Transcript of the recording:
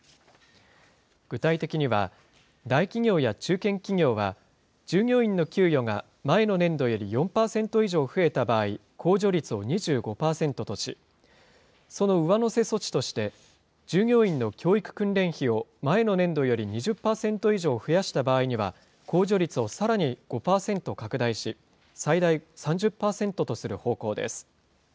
具体的には、大企業や中堅企業は、従業員の給与が前の年度より４％以上増えた場合、控除率を２５％とし、その上乗せ措置として、従業員の教育訓練費を前の年度より２０％以上増やした場合には、控除率をさらに５％拡大し、最大３０％とする方向です。